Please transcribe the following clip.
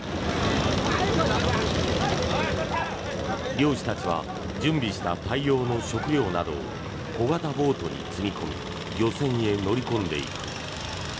漁師たちは準備した大量の食料などを小型ボートに積み込み漁船へ乗り込んでいく。